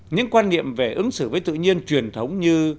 những quan niệm về ứng xử với tự nhiên truyền thống như